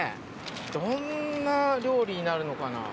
どんな料理になるのかな？